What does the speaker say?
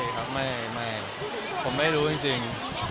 ไม่ครับไม่ไม่ผมไม่รู้จริงจริง